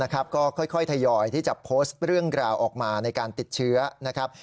ก็ค่อยทยอยที่จะโพสต์เรื่องราวออกมาในการติดเชื้อนะครับ